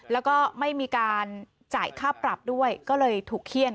แล้วก็ไม่มีการจ่ายค่าปรับด้วยก็เลยถูกเขี้ยน